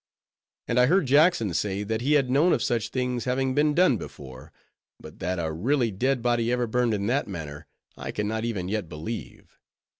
And I heard Jackson say, that he had known of such things having been done before. But that a really dead body ever burned in that manner, I can not even yet believe.